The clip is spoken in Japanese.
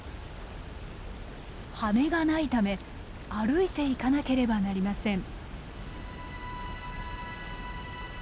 羽がないため歩いていかなければなりません。